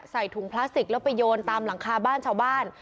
ใส่ถุงพลาสติกแล้วไปโยนตามหลังคาบ้านชาวบ้าน